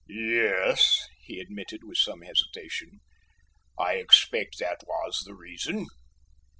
"Yes," he admitted, after some hesitation, "I expect that was the reason."